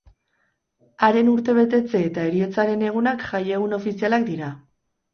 Haren urtebetetze eta heriotzaren egunak jaiegun ofizialak dira.